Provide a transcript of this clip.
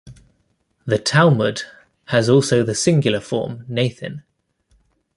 The Talmud has also the singular form Nathin.